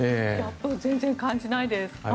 全然感じないです。